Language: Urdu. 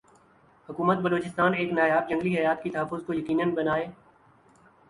حکومت بلوچستان ان نایاب جنگلی حیات کی تحفظ کو یقینی بنائے